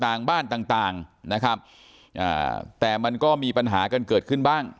ต่างบ้านต่างต่างนะครับอ่าแต่มันก็มีปัญหากันเกิดขึ้นบ้าง